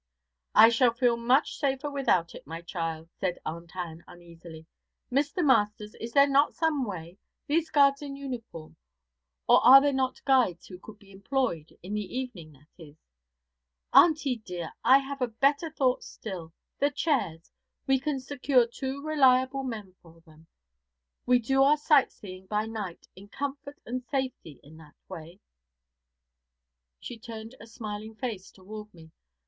'I shall feel much safer without it, my child,' said Aunt Ann uneasily. 'Mr. Masters, is there not some way these guards in uniform, or are there not guides who could be employed in the evening, that is?' 'Auntie dear, I have a better thought still the chairs. We can secure two reliable men for them, and do our sight seeing by night in comfort and safety in that way.' She turned a smiling face toward me.